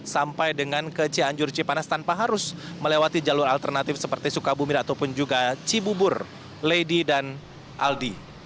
sampai dengan ke cianjur cipanas tanpa harus melewati jalur alternatif seperti sukabumi ataupun juga cibubur lady dan aldi